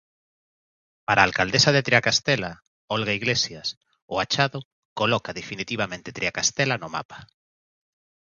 Para a alcaldesa de Triacastela, Olga Iglesias, o achado "coloca definitivamente Triacastela no mapa".